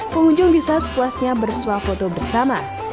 pengunjung bisa sepuasnya bersuah foto bersama